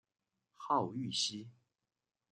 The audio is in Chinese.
号玉溪。